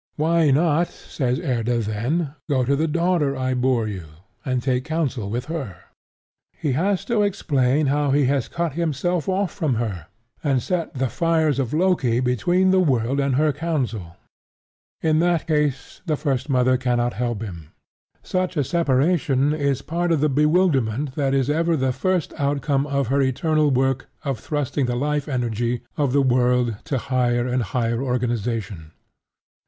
Why not, says Erda then, go to the daughter I bore you, and take counsel with her? He has to explain how he has cut himself off from her, and set the fires of Loki between the world and her counsel. In that case the First Mother cannot help him: such a separation is part of the bewilderment that is ever the first outcome of her eternal work of thrusting the life energy of the world to higher and higher organization.